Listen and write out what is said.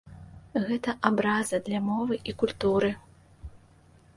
Гэта абраза для мовы і культуры.